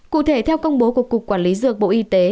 cụ thể theo công bố của cục quản lý dược bộ y tế